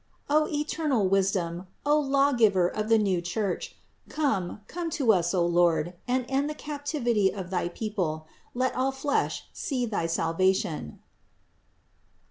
O eternal Wisdom ! O Lawgiver of the new Church ! Come, come to us, O Lord, and end the captivity of thy people; let all flesh see thy salva tion!"